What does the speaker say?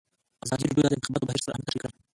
ازادي راډیو د د انتخاباتو بهیر ستر اهميت تشریح کړی.